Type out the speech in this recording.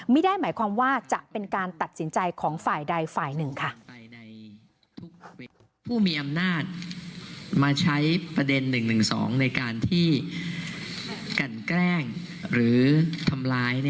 ไม่ได้หมายความว่าจะเป็นการตัดสินใจของฝ่ายใดฝ่ายหนึ่งค่ะ